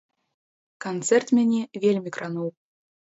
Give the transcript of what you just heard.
Канцэрт мяне вельмі крануў.